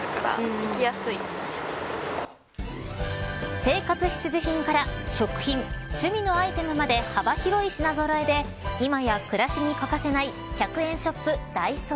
生活必需品から食品、趣味のアイテムまで幅広い品揃えで今や暮らしに欠かせない１００円ショップ、ダイソー。